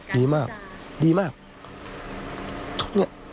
ดีมากดีมากดีมาก